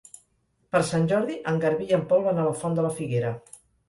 Per Sant Jordi en Garbí i en Pol van a la Font de la Figuera.